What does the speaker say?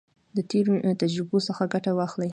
د تیرو تجربو څخه ګټه واخلئ.